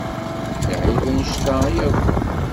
D lεib annect-a yakk?